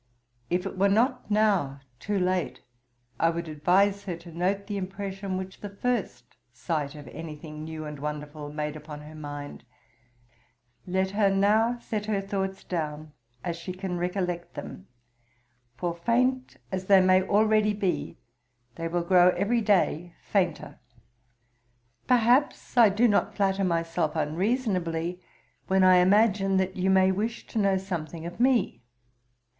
If it were not now too late, I would advise her to note the impression which the first sight of any thing new and wonderful made upon her mind. Let her now set her thoughts down as she can recollect them; for faint as they may already be, they will grow every day fainter. 'Perhaps I do not flatter myself unreasonably when I imagine that you may wish to know something of me.